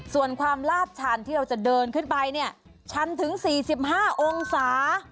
ส่วนความลาดชันที่เราจะเดินขึ้นไปเนี่ยชันถึง๔๕องศา